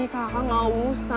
ih kakak gak usah